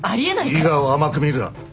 伊賀を甘く見るな。